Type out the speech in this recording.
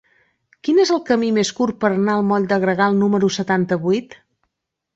Quin és el camí més curt per anar al moll de Gregal número setanta-vuit?